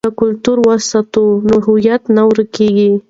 که کلتور وساتو نو هویت نه ورکيږي.